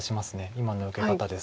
今の受け方ですと。